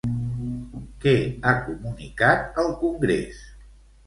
Què ha comunicat al congrés?